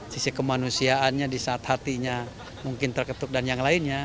sisi kemanusiaannya di saat hatinya mungkin terketuk dan yang lainnya